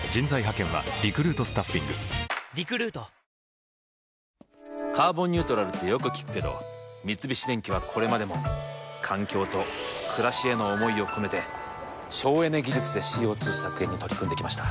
早いのは間違いないと思「カーボンニュートラル」ってよく聞くけど三菱電機はこれまでも環境と暮らしへの思いを込めて省エネ技術でＣＯ２削減に取り組んできました。